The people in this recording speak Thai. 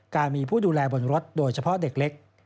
การมีผู้ดูแลบนรถโดยเฉพาะเด็กเล็ก